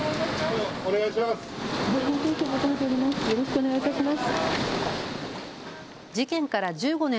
お願いします。